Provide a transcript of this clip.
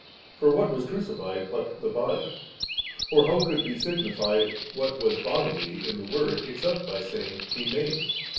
For what was crucified but the body ? and how could be signified what was bodily in the Word, except by saying 'He made?'